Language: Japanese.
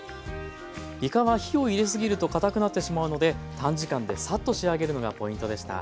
いかは火をいれすぎるとかたくなってしまうので短時間でサッと仕上げるのがポイントでした。